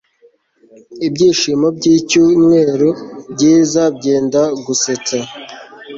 ibyishimo byicyumweru byiza byendagusetsa